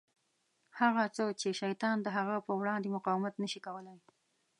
هغه څه چې شیطان د هغه په وړاندې مقاومت نه شي کولای.